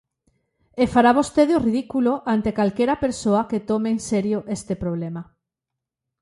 E fará vostede o ridículo ante calquera persoa que tome en serio este problema.